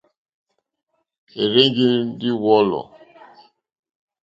É rzènjé ndí wɔ̌lɔ̀.